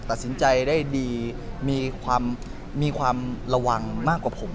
ตัดสินใจได้ดีมีความมีความระวังมากกว่าผม